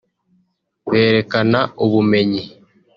berekana ubumenyi